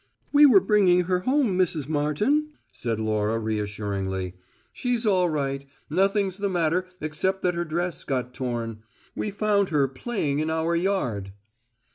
"We were bringing her home, Mrs. Martin," said Laura, reassuringly. "She's all right; nothing's the matter except that her dress got torn. We found her playing in our yard."